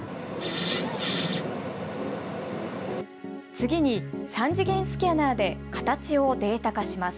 次に、３次元スキャナーで形をデータ化します。